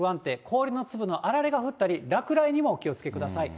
氷の粒のあられが降ったり、落雷にもお気をつけください。